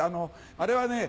あれはね